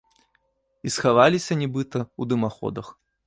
І схаваліся, нібыта, у дымаходах.